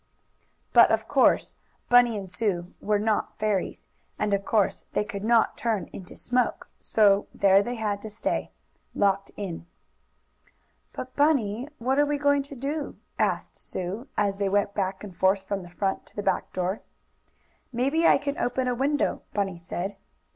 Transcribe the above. But of course Bunny and Sue were not fairies, and of course they could not turn into smoke, so there they had to stay, locked in. "But, Bunny, what are we going to do?" asked Sue, as they went back and forth from the front to the back door. "Maybe I can open a window," Bunny said.